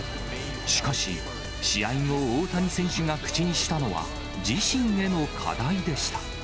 しかし、試合後、大谷選手が口にしたのは、自身への課題でした。